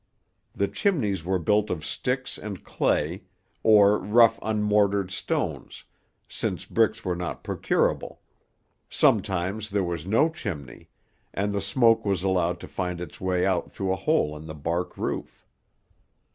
The chimneys were built of sticks and clay, or rough unmortared stones, since bricks were not procurable; sometimes there was no chimney, and the smoke was allowed to find its way out through a hole in the bark roof.